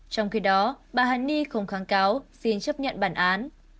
trong khi đó bà hàn ni không kháng cáo xin chấp nhận bản án